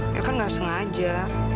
ya kan gak sengaja